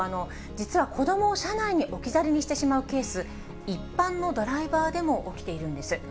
実は子どもを車内に置き去りにしてしまうケース、一般のドライバーでも起きているんです。